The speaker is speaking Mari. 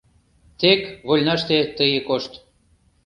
Тек вольнаште тые кошт».